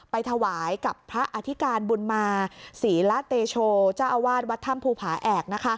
ไปถวายกับพระอธิการบุญมาศรีละเตโชเจ้าอาวาสวัดถ้ำภูผาแอก